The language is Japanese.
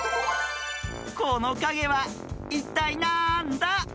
このかげはいったいなんだ？